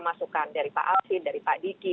masukan dari pak alvin dari pak diki